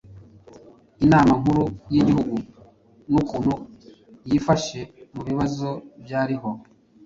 Inama Nkuru y'Igihugu n'ukuntu yifashe mu bibazo byariho